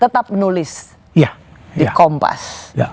tetap menulis di kompas